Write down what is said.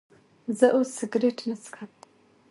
زه اوس سيګرټ نه سکم